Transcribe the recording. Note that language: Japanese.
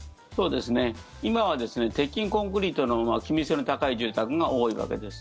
今は鉄筋コンクリートの気密性の高い住宅が多いわけです。